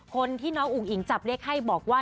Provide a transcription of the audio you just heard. คนที่น้องอุ๋งอิ๋งจับเลขให้บอกว่า